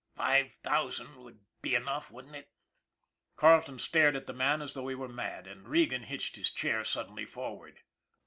" Five thousand would be enough, wouldn't it? " Carleton stared at the man as though he were mad, and Regan hitched his chair suddenly forward.